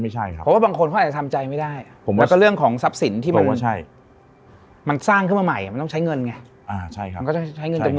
ช่างภายในไม่รอยหลังอยู่ยังไม่ได้ต้อง